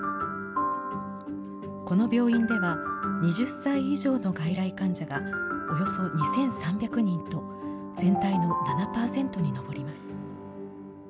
この病院では、２０歳以上の外来患者がおよそ２３００人と、全体の７％に上ります。